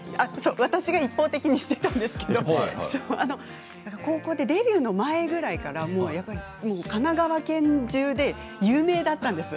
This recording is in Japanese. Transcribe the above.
私が一方的に知っていたんですけれどデビューの前ぐらいから神奈川県中で有名だったんです。